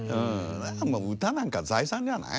もう歌なんか財産ではない。